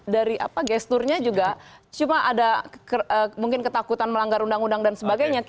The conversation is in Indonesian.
dari gesturnya juga cuma ada mungkin ketakutan melanggar undang undang dan sebagainya